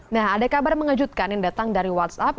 nah ada kabar mengejutkan yang datang dari whatsapp